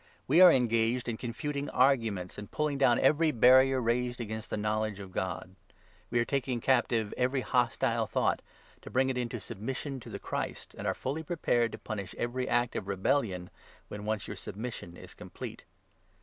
We are engaged in confuting arguments and 5 pulling down every barrier raised against the knowledge of God. We are taking captive every hostile thought, to bring it into submission to the Christ, and are fully prepared to 6 punish every act of rebellion, when once your submission is com plete.